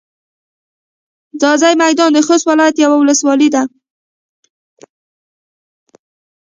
ځاځي میدان د خوست ولایت یوه ولسوالي ده.